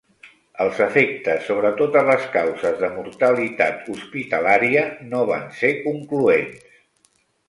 Els efectes sobre totes les causes de mortalitat hospitalària no van ser concloents.